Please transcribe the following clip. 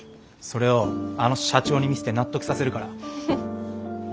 それをあの社長に見せて納得させるから。